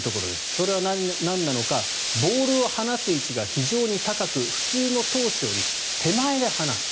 それはなんなのかボールを離す位置が非常に高く普通の投手より手前で離す。